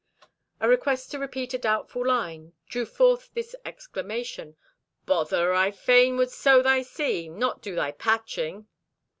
A request to repeat a doubtful line drew forth this exclamation: "Bother! I fain would sew thy seam, not do thy patching."